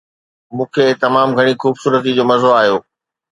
مون کي تمام گهڻي خوبصورتي جو مزو آيو